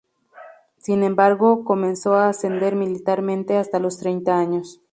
Sin embargo, comenzó a ascender militarmente hasta los treinta años.